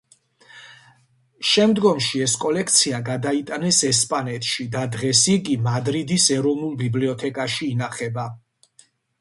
შემდგომში ეს კოლექცია გადაიტანეს ესპანეთში და დღეს იგი მადრიდის ეროვნულ ბიბლიოთეკაში ინახება.